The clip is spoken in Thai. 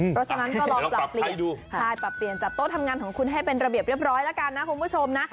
เพราะฉะนั้นก็ลองปรับเปลี่ยนใช่ปรับเปลี่ยนจัดโต๊ะทำงานของคุณให้เป็นระเบียบเรียบร้อยแล้วกันนะคุณผู้ชมนะ